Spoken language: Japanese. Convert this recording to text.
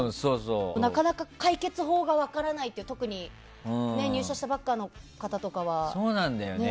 なかなか解決法が分からないって特に入社したばかりの方とかはね。